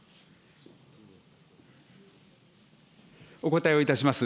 お答えをいたします。